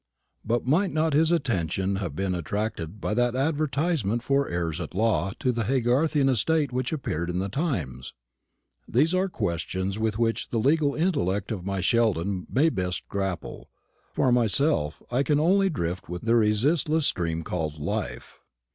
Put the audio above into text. But might not his attention have been attracted by that advertisement for heirs at law to the Haygarthian estate which appeared in the Times? These are questions with which the legal intellect of my Sheldon may best grapple. For myself, I can only drift with the resistless stream called life.